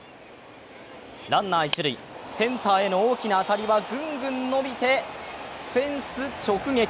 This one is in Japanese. ランナー一塁、センターへの大きな当たりはぐんぐん伸びてフェンス直撃。